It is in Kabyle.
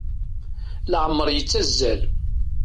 Leɛmer yettazzal.